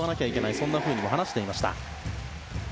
そんなふうに話していました。